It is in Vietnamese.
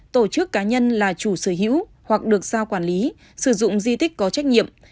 tổ chức cá nhân là chủ sở hữu hoặc được giao quản lý sử dụng di tích có trách nhiệm